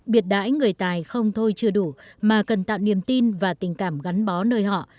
biệt đãi người tài không thôi chưa đủ mà cần tạo niềm tin và tình cảm gắn bó nơi họ